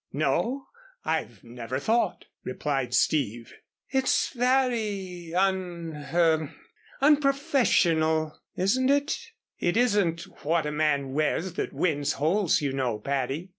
"No I've never thought," replied Steve. "It's very un er unprofessional isn't it?" "It isn't what a man wears that wins holes, you know, Patty."